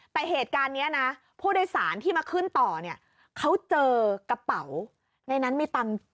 แต่เหตุการณ์นี้นะผู้โดยสารที่มาขึ้นต่อเนี่ยเขาเจอกระเป๋าในนั้นมีตังค์